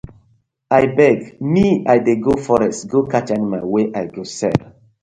Abeg mi I dey go forest go catch animal wey I go sell.